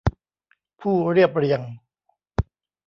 ผู้เรียบเรียง